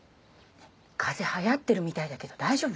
風邪流行ってるみたいだけど大丈夫？